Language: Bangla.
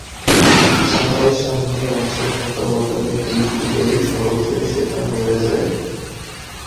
ছাতার সামনের অংশে থাকা বোতামে টিপ দিলেই সহজে সেটা মেলে যায়।